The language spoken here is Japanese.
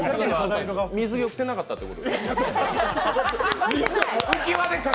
水着を着てなかったということですか？